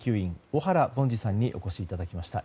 小原凡司さんにお越しいただきました。